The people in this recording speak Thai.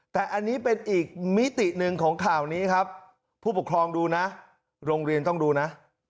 แต่อันนี้เป็นอีกมิติหนึ่งของข่าวนี้ครับผู้ปกครองดูนะโรงเรียนต้องดูนะ